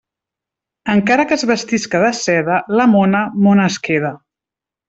Encara que es vestisca de seda, la mona, mona es queda.